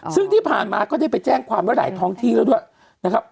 ซึ่งที่ผ่านมาก็ได้ไปแจ้งความไว้หลายท้องที่แล้วด้วยนะครับ